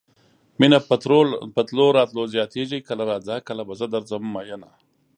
مينه په تلو راتلو زياتيږي کله راځه کله به زه درځم مينه